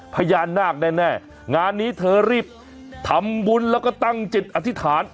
พญานาคแน่งานนี้เธอรีบทำบุญแล้วก็ตั้งจิตอธิษฐาน